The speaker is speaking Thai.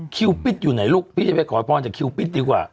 ปิดอยู่ไหนลูกพี่จะไปขอพรจากคิวปิดดีกว่า